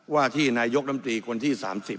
ว่าที่นายกรรมตรีคนที่๓๐